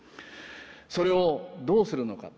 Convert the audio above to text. それをどうするのか。